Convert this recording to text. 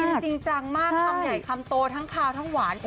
จริงจังมากคำใหญ่คำโตทั้งคาวทั้งหวาน